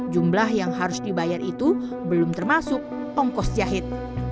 jumlah yang harus dibayar itu belum termasuk ongkos jahit